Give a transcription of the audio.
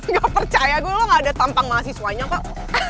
gak percaya gue lo gak ada tampang mahasiswanya kok